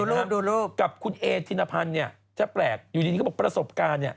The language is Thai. อ้าวดูรูปดูรูปกับคุณเอทินภัณฑ์เนี่ยแทบแปลกอยู่ดีก็บอกประสบการณ์เนี่ย